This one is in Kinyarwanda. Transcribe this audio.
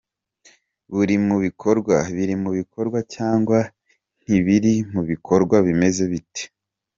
Biri mu bikorwa cyangwa ntibiri mu bikorwa? Bimeze bite?”.